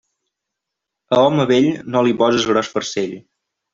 A home vell, no li poses gros farcell.